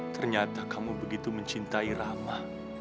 ternyata kamu begitu mencintai ramah